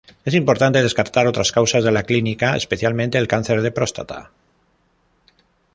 Es importante descartar otras causas de la clínica, especialmente el cáncer de próstata.